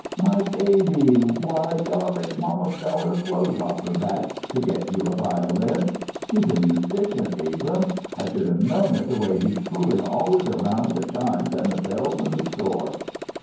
My baby! Why, darlink, mamma'll sell her clothes off her back to get you a violin. He's a musician, Abrahm! I should have known it the way he's fooling always around the chimes and the bells in the store!"